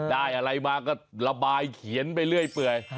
ได้อะไรมาก็ระบายเขียนไปเรื่อย